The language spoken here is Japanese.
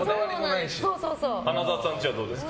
花澤さんちはどうですか？